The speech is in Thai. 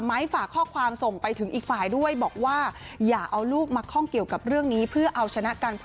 ฝากข้อความส่งไปถึงอีกฝ่ายด้วยบอกว่าอย่าเอาลูกมาข้องเกี่ยวกับเรื่องนี้เพื่อเอาชนะกันเพราะ